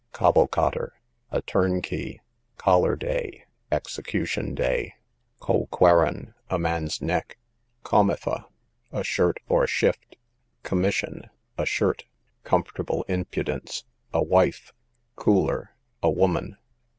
Cobblecotter, a turnkey. Collar day, execution day. Colquarron, a man's neck. Comefa, a shirt, or shift. Commission, a shirt. Comfortable impudence, a wife. Cooler, a woman.